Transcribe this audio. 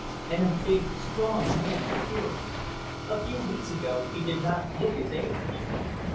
And a big, strong man in appearance! A few weeks ago he did not look his age."